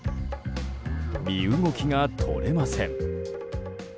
身動きが取れません。